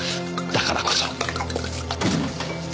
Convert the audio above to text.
だからこそ。